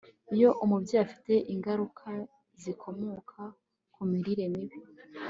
iyo umubyeyi afite ingaruka zikomoka ku mirire mibi